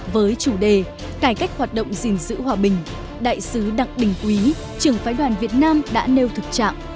với chủ đề cải cách hoạt động gìn giữ hòa bình đại sứ đặng đình quý trưởng phái đoàn việt nam đã nêu thực trạng